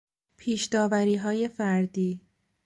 پیشداوریهای فردی